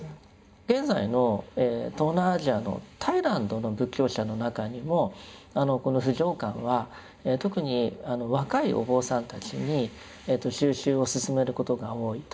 現在の東南アジアのタイランドの仏教者の中にもこの不浄観は特に若いお坊さんたちに修習を進めることが多いと。